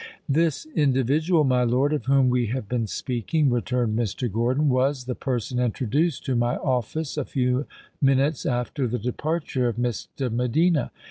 "This individual, my lord, of whom we have been speaking," returned Mr. Gordon, "was the person introduced to my office a few minutes after the departure of Miss de Medina.